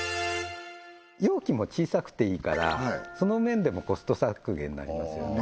容器も小さくていいからその面でもコスト削減になりますよね